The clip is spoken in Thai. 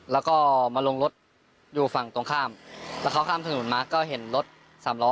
แล้วก็มาลงรถอยู่ฝั่งตรงข้ามแล้วเขาข้ามถนนมาก็เห็นรถสามล้อ